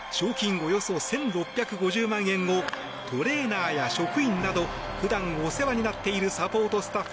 およそ１６５０万円をトレーナーや職員など普段、お世話になっているサポートスタッフ